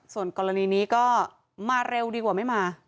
ส่วนกรณีนี้ก็มาเร็วดีกว่าไม่มา